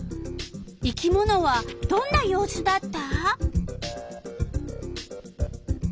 生き物はどんな様子だった？